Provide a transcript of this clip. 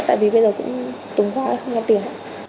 tại vì bây giờ cũng tùm qua không có tiền